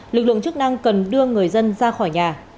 lực lượng chức năng cần đưa người dân ra khỏi nhà